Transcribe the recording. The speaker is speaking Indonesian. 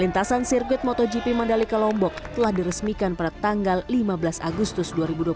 lintasan sirkuit motogp mandalika lombok telah diresmikan pada tanggal lima belas agustus dua ribu dua puluh